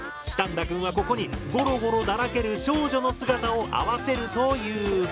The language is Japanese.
シタンダくんはここに「ゴロゴロだらける少女の姿」を合わせるという。